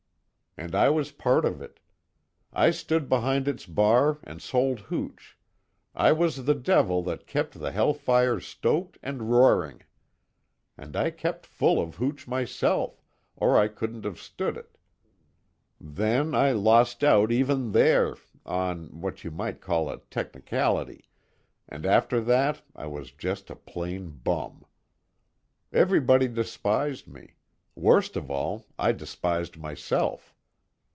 And I was part of it. I stood behind its bar and sold hooch I was the devil that kept the hell fires stoked and roaring. And I kept full of hooch myself, or I couldn't have stood it. Then I lost out even there, on what you might call a technicality and after that I was just a plain bum. Everybody despised me worst of all, I despised myself.